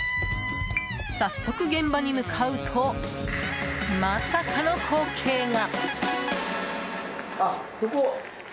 早速、現場に向かうとまさかの光景が。